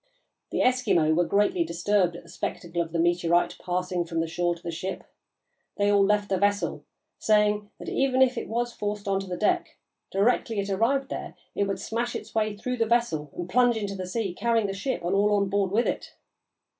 The Eskimo were greatly disturbed at the spectacle of the meteorite passing from the shore to the ship. They all left the vessel, saying that even if it was forced on to the deck, directly it arrived there it would smash its way through the vessel and plunge into the sea, carrying the ship and all on board with it.